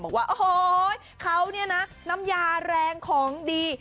บอกว่าโอ้โหเขาเนี่ยนะน้ำยาแรงของดี